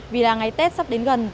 vì là ngày tết sắp đến gần